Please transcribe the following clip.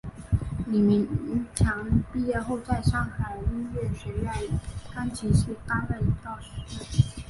李名强毕业后在上海音乐学院钢琴系担任教师。